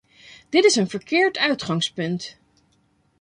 Dit is een verkeerd uitgangspunt.